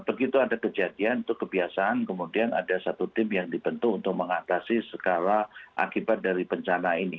begitu ada kejadian itu kebiasaan kemudian ada satu tim yang dibentuk untuk mengatasi skala akibat dari bencana ini